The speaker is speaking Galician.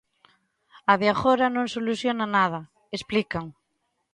"A de agora non soluciona nada", explican.